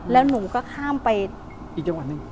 แล้วหนูก็ข้ามไปอีกจังหวัดหนึ่ง